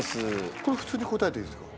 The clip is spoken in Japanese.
これ普通に答えていいんですか？